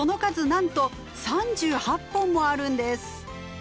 なんと３８本もあるんです！